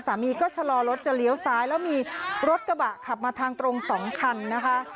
สามีก็ชะลอรถจะเลี้ยวซ้ายแล้วมีรถกระบะขับมาทางตรงสองคันนะคะ